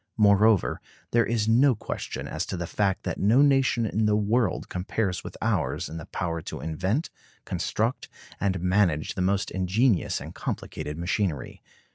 Moreover, there is no question as to the fact that no nation in the world compares with ours in the power to invent, construct, and manage the most ingenious and complicated machinery.